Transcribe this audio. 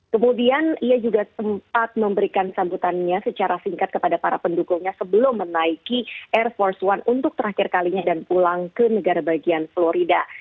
kemudian ia juga sempat memberikan sambutannya secara singkat kepada para pendukungnya sebelum menaiki air force one untuk terakhir kalinya dan pulang ke negara bagian florida